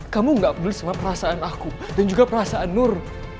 kamu gak peduli sama perasaan aku dan juga perasaan nur